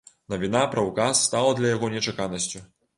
Навіна пра ўказ стала для яго нечаканасцю.